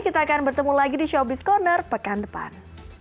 kita akan bertemu lagi di showbiz corner pekan depan